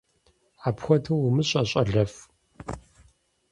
Апхуэдэу умыщӀэ, щӀалэфӀ!